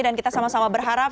dan kita sama sama berharap